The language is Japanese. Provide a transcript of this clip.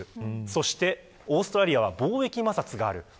そしてオーストラリアは貿易摩擦がある。